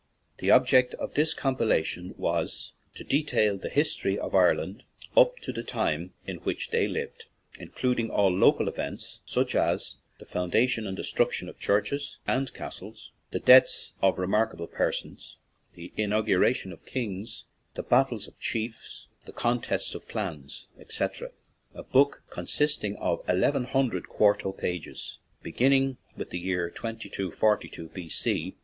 The ob ject of this compilation was to detail the history of Ireland up to the time in which they lived, including all local events, such as the foundation and destruction of churches and castles, the deaths of re 55 ON AN IRISH JAUNTING CAR markable persons, the inaugurations of kings, the battles of chiefs, the contests of clans, etc. A book consisting of eleven hundred quarto pages, beginning with the year 2242 B.C.